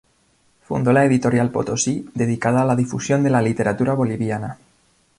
Fundó la Editorial Potosí dedicada a la difusión de la literatura boliviana.